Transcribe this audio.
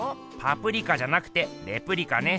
パプリカじゃなくてレプリカね。